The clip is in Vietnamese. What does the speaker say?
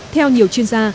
theo nhiều chuyên gia